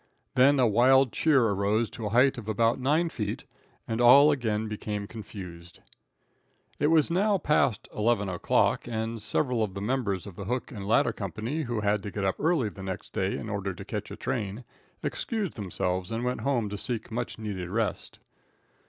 Then a wild cheer arose to a height of about nine feet, and all again became confused. It was now past 11 o'clock, and several of the members of the hook and ladder company who had to get up early the next day in order to catch a train excused themselves and went home to seek much needed rest.